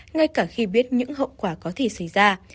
ngay cả khi biết những hậu quả có thể xảy ra